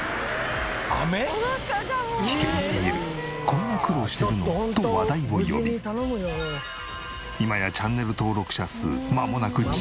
「こんな苦労してるの？」と話題を呼び今やチャンネル登録者数まもなく１０万人。